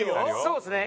そうですね。